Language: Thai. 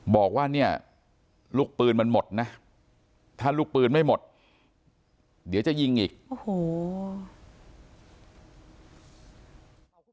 บอกว่าเนี่ยลูกปืนมันหมดนะถ้าลูกปืนไม่หมดเดี๋ยวจะยิงอีกโอ้โห